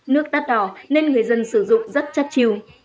nước đắt đỏ nên người dân sử dụng rất chắc chiêu